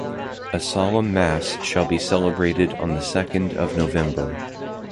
A solemn mass shall be celebrated on the second of November.